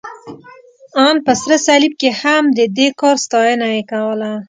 ان په سره صلیب کې هم، د دې کار ستاینه یې کوله.